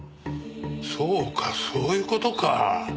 そうかそういう事か。